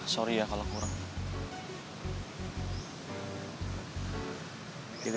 sorry ya kalau kurang